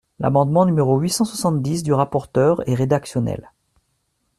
L’amendement numéro huit cent soixante-dix du rapporteur est rédactionnel.